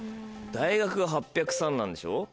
大学が８０３なんでしょ。